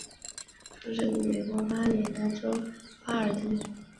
出生于美国马里兰州巴尔的摩。